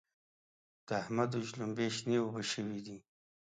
د احمد دوی شلومبې شنې اوبه شوې دي.